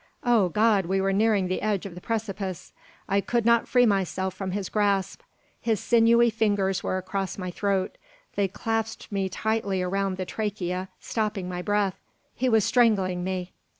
Oh, God! we were nearing the edge of the precipice. I could not free myself from his grasp. His sinewy fingers were across my throat. They clasped me tightly around the trachea, stopping my breath. He was strangling me.